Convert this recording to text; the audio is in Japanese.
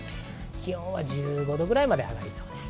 気温は１５度くらいまで上がりそうです。